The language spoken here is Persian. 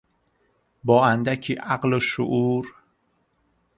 با اندکی عقل و شعور